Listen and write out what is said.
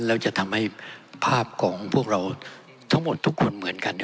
แล้วจะทำให้ภาพของพวกเราทั้งหมดทุกคนเหมือนกัน